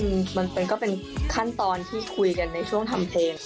มันก็เป็นขั้นตอนที่คุยกันในช่วงทำเพลง